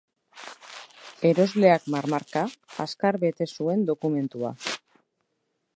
Erosleak marmarka, azkar bete zuen dokumentua.